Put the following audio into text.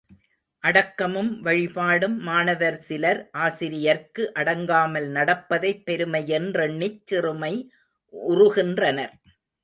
அடக்கமும் வழிபாடும் மாணவர் சிலர், ஆசிரியர்க்கு அடங்காமல் நடப்பதைப் பெருமையென்றெண்ணிச் சிறுமை உறுகின்றனர்.